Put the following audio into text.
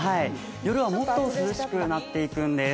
夜はもっと涼しくなっていくんです。